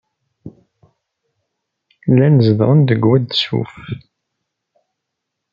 Llan zedɣen deg Wad Suf.